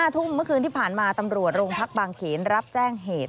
ทุ่มเมื่อคืนที่ผ่านมาตำรวจโรงพักบางเขนรับแจ้งเหตุ